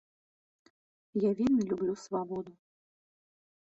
Я вельмі люблю свабоду.